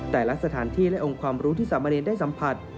แต่ละสถานที่และองค์ความรู้ที่สามเณรได้สัมผัส